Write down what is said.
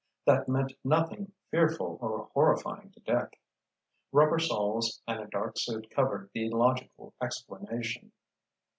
That meant nothing fearful or horrifying to Dick. Rubber soles and a dark suit covered the logical explanation.